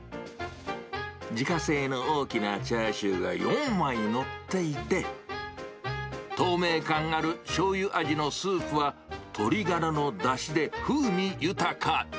自家製の大きなチャーシューが４枚載っていて、透明感あるしょうゆ味のスープは鶏がらのだしで風味豊か。